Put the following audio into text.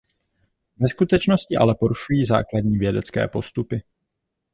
Ve skutečnosti ale porušují základní vědecké postupy.